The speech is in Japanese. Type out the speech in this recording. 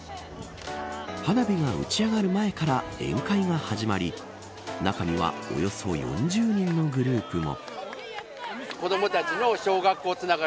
花火が打ち上がる前から宴会が始まり中にはおよそ４０人のグループも。